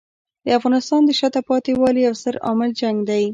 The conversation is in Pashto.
د افغانستان د شاته پاتې والي یو ستر عامل جنګ دی.